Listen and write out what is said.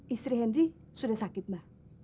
istri henry sudah sakit mbak